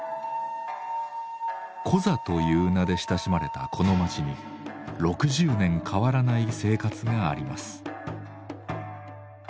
コザという名で親しまれたこの街に６０年変わらない生活があります。